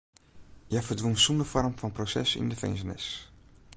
Hja ferdwûn sûnder foarm fan proses yn de finzenis.